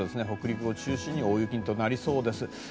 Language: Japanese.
北陸を中心に大雪となりそうです。